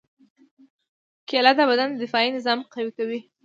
کېله د بدن دفاعي نظام قوي کوي.